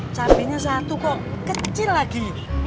cabainya satu kok kecil lagi